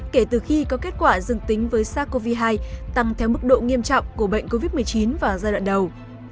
kể từ khi có kết quả dương tính với sars cov hai tăng theo mức độ nghiêm trọng của bệnh covid một mươi chín vào giai đoạn đầu